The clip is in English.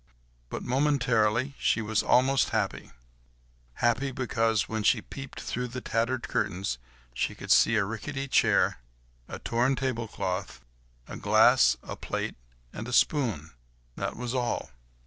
But, momentarily, she was almost happy; happy because, when she peeped through the tattered curtains, she could see a rickety chair, a torn table cloth, a glass, a plate and a spoon; that was all.